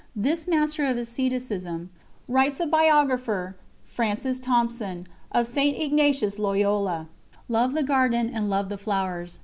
"This master of asceticism," writes a biographer of St. Ignatius Loyola, "loved the garden and loved the flowers.